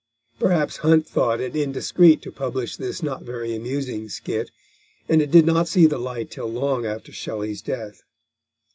Perhaps Hunt thought it indiscreet to publish this not very amusing skit, and it did not see the light till long after Shelley's death.